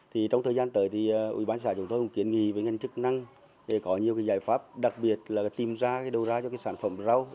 thì trong thời gian tới thì bán xã chúng tôi cũng kiến nghị với ngân chức năng để có nhiều giải pháp đặc biệt là tìm ra đồ ra cho sản phẩm rau